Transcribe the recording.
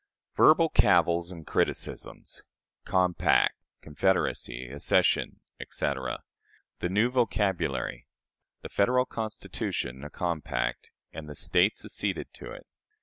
Verbal Cavils and Criticisms. "Compact," "Confederacy," "Accession," etc. The "New Vocabulary." The Federal Constitution a Compact, and the States acceded to it.